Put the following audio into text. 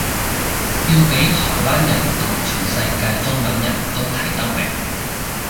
要畀台灣人同全世界中文人都睇得明